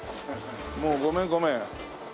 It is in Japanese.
もうごめんごめん。